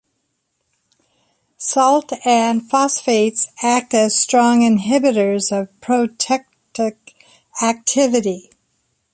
Salt and phosphates act as strong inhibitors of proteolytic activity.